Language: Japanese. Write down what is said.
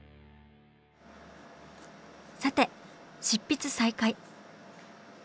さて執筆再開。